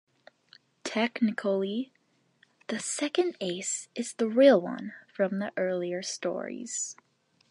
Technically, the second Ace is the 'real' one from the earlier stories.